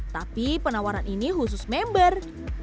tapi penawaran ini khusus member